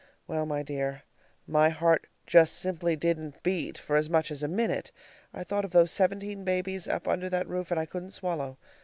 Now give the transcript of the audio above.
Well, my dear, my heart just simply didn't beat for as much as a minute. I thought of those seventeen babies up under that roof, and I couldn't swallow.